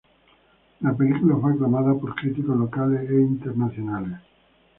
La película fue aclamada por críticos locales e internacionales.